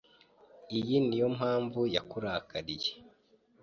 Iyi niyo mpamvu yakurakariye.